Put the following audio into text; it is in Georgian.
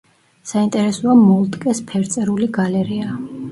საინტერესოა მოლტკეს ფერწერული გალერეა.